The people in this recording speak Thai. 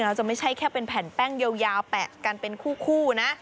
จะไม่ใช่แค่เป็นแผ่นแป้งยาวแปะกันเป็นคู่นะ